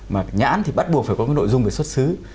mà nhãn thì bắt buộc phải có cái nội dung về xuất xứ